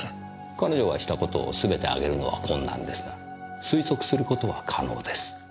彼女がしたことをすべて挙げるのは困難ですが推測することは可能です。